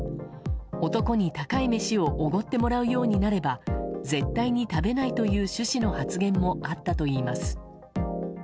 男に高い飯をおごってもらうようになれば絶対に食べないという趣旨の発言もあったといいます。